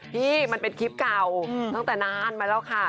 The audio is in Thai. พี่มันเป็นคลิปเก่าตั้งแต่นานมาแล้วค่ะ